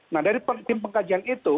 nah dari tim pengkajian itu